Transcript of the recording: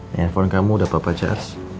ya handphone kamu udah papa charge